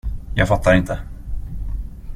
Jag fattar inte.